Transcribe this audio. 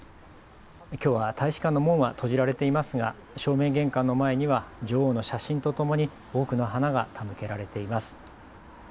きょうは大使館の門は閉じられていますが正面玄関の前には女王の写真とともに多くの花が手向けられています。